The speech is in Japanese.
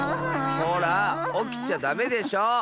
ほらおきちゃダメでしょ！